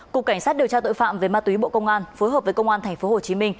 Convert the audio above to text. cục cảnh sát điều tra tội phạm về ma túy bộ công an phối hợp với công an tp hcm